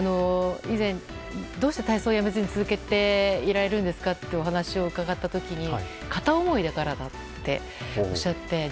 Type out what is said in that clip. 以前、どうして体操を辞めずに続けていられるんですかとお話を伺った時に片思いだからっておっしゃって。